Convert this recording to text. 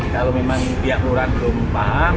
kalau memang pihak luran belum paham